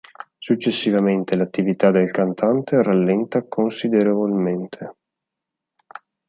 Successivamente l'attività del cantante rallenta considerevolmente.